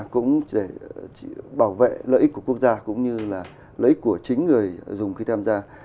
cũng để bảo vệ lợi ích của quốc gia cũng như là lợi ích của chính người dùng khi tham gia